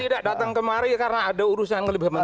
tidak datang kemari karena ada urusan yang lebih menarik